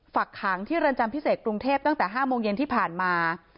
ฝักขังที่เรือนจำพิเศษกรุงเทพตั้งแต่๕โมงเย็นที่ผ่านมา